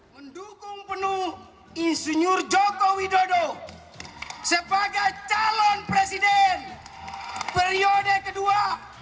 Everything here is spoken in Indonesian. mendukung penuh insinyur joko widodo sebagai calon presiden periode kedua